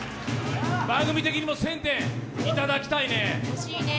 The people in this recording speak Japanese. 番組的にも１０００点いただきたいね。